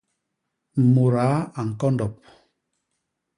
Mudaa a ñkondop.